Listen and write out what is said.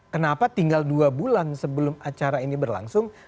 kenapa tinggal dua bulan sebelum acara ini berlangsung